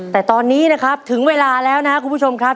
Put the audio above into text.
แต่ตอนนี้นะครับถึงเวลาแล้วนะครับคุณผู้ชมครับ